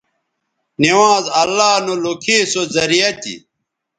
نوانز اللہ نو لوکھے سو زریعہ تھی